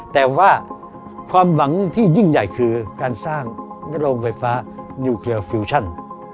แต่ว่าความหวังที่ยิ่งใหญ่คือการสร้างโรงไฟฟ้านิวเคลียร์ฟิวชั่น